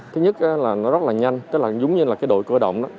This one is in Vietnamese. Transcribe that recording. thứ nhất là nó rất là nhanh giống như là đội cổ động đó